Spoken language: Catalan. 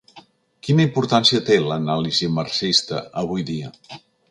Quina importància té l’anàlisi marxista avui dia?